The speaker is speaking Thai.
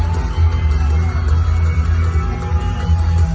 กลับไปกลับไป